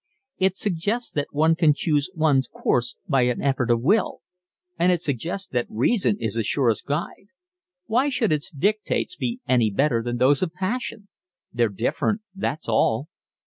"It suggests that one can choose one's course by an effort of will. And it suggests that reason is the surest guide. Why should its dictates be any better than those of passion? They're different. That's all."